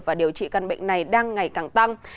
và điều trị căn bệnh này đang ngày càng tăng